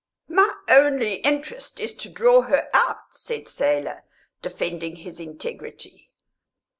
"My only interest is to draw her out," said Selah, defending his integrity.